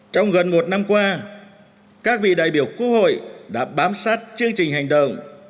trong gần một năm qua các vị đại biểu quốc hội đã bám sát chương trình hành động